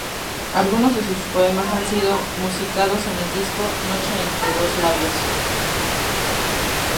Algunos de sus poemas han sido musicados en el disco "Noche entre dos labios".